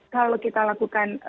kalau kita lakukan